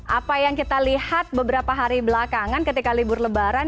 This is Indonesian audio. apa yang kita lihat beberapa hari belakangan ketika libur lebaran